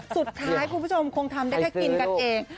คุณผู้ชมคงทำได้แค่กินกันเอง